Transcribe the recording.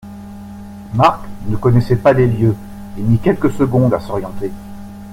Marc ne connaissait pas les lieux et mit quelques secondes à s’orienter.